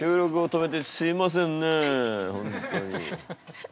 本当に。